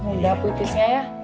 udah putusnya ya